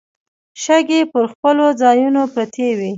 شګې پر خپلو ځايونو پرتې وې.